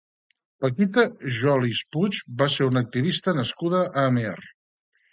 Paquita Jolis Puig va ser una activista nascuda a Amer.